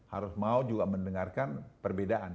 harus mau juga mendengarkan perbedaan